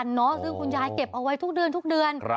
ซึ่งคุณยายเก็บเอาไว้ทุกเดือน